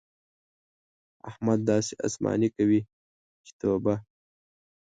احمد داسې اسماني کوي چې توبه!